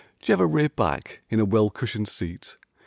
Jevver rear back in a well cushioned seat.